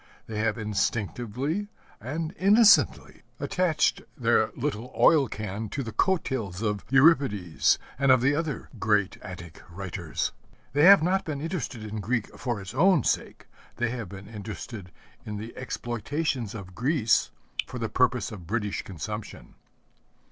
They have instinctively and innocently attached their little oil can to the coattails of Euripides and of the other great Attic writers. They have not been interested in Greek for its own sake. They have been interested in the exploitations of Greece for the purpose of British consumption.